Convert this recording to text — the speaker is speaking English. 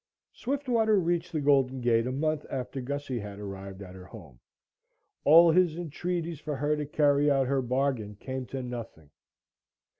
Swiftwater reached the Golden Gate a month after Gussie had arrived at her home. All his entreaties for her to carry out her bargain came to nothing.